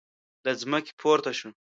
له ځمکې پورته شو.